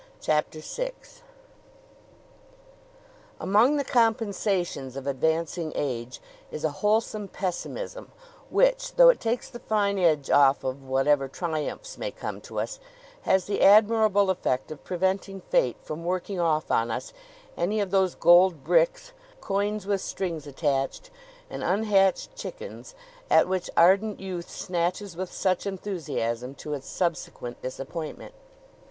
CHAPTER VI Among the compensations of advancing age is a wholesome pessimism, which, though it takes the fine edge off of whatever triumphs may come to us, has the admirable effect of preventing Fate from working off on us any of those gold bricks, coins with strings attached, and unhatched chickens, at which ardent youth snatches with such enthusiasm, to its subsequent disappointment.